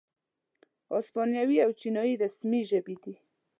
اسپانوي او چینایي رسمي ژبې دي.